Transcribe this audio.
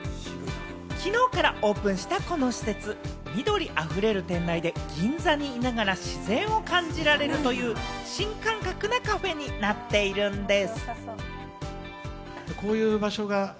きのうからオープンしたこの施設、緑あふれる店内で、銀座にいながら自然を感じられるという新感覚なカフェになっているんです。